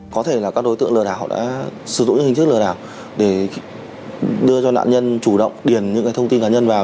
có thể là các đối tượng lừa đảo đã sử dụng những hình thức lừa đảo để đưa cho nạn nhân chủ động điền những thông tin cá nhân vào